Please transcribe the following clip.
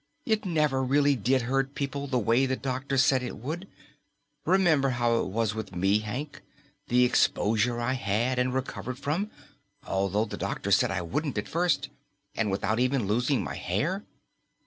"It never really did hurt people the way the doctors said it would. Remember how it was with me, Hank, the exposure I had and recovered from, although the doctors said I wouldn't at first and without even losing my hair?